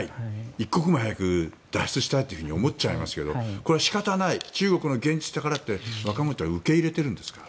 一刻も早く脱出したいと思っちゃいますけどこれは仕方ない中国の現実だからと若者たちは受け入れているんですか？